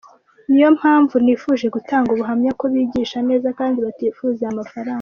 Niyo mapmvu nifuje gutanga ubuhamya ko bigisha neza kandi batifuza aya mafaranga.